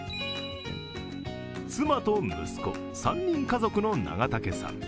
妻と息子、３人家族の長竹さん。